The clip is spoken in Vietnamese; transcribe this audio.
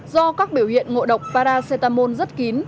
do các biểu hiện ngộ độc paracetamol rất kín